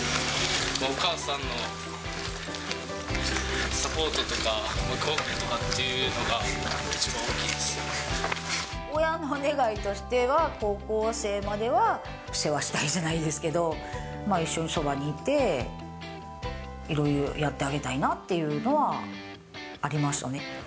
お母さんのサポートとか、ごはんとかっていうのが、一番大きいで親の願いとしては、高校生までは世話したいじゃないですけど、一緒にそばにいて、いろいろやってあげたいなっていうのはありましたね。